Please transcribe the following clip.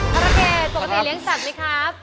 การเกรดปกติเลี้ยงสัตว์มั้ยครับ